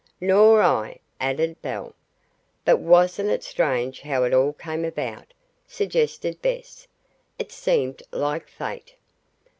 "Nor I," added Belle. "But wasn't it strange how it all came about?" suggested Bess. "It seemed like fate."